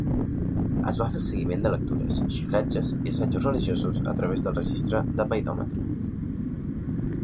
Es va fer el seguiment de lectures, xifratges i assajos religiosos a través del registre de paidòmetre.